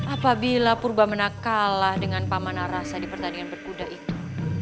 apabila purba menak kalah dengan pak manarasa di pertandingan berkuda itu